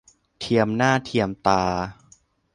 เทียมหน้าเทียมตา